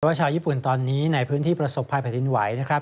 แต่ว่าชาวยิปุ่นตอนนี้ในพื้นที่ประสบภัยผลิตินไหวนะครับ